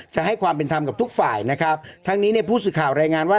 จะให้ความเป็นธรรมกับทุกฝ่ายนะครับทั้งนี้เนี่ยผู้สื่อข่าวรายงานว่า